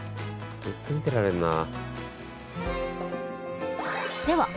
ずっと見てられるな。